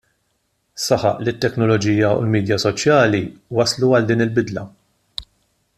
Saħaq li t-teknoloġija u l-midja soċjali wasslu għal din il-bidla.